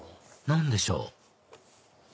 何でしょう？